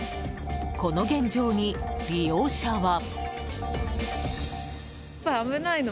この現状に利用者は。